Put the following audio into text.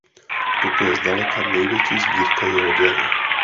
Toto je zdaleka největší sbírka jeho děl.